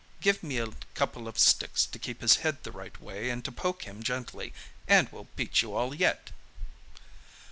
Give me a couple of sticks to keep his head the right way and to poke him gently, and we'll beat you all yet!"